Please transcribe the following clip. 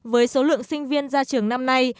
với số lượng sinh viên ra trường năm nay